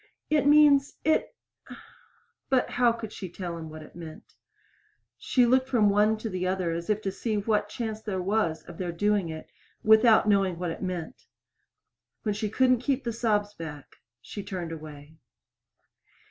"It means ! It " But how could she tell them what it meant? She looked from one to the other, as if to see what chance there was of their doing it without knowing what it meant. When she couldn't keep sobs back, she turned away.